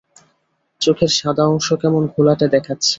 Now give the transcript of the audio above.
চোখের সাদা অংশ কেমন ঘোলাটে দেখাচ্ছে।